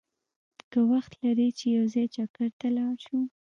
که وخت لرې چې یو ځای چکر ته لاړ شو!